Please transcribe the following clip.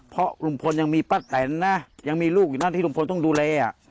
เพราะลุงพลยังมีป้าแตนนะยังมีลูกอยู่นะที่ลุงพลต้องดูแล